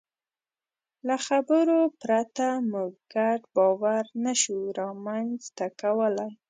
له خبرو پرته موږ ګډ باور نهشو رامنځ ته کولی.